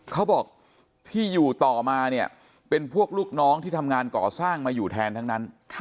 เขาบอกที่อยู่ต่อมาเนี่ยเป็นพวกลูกน้องที่ทำงานก่อสร้างมาอยู่แทนทั้งนั้น